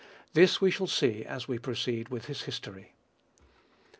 This we shall see as we proceed with his history.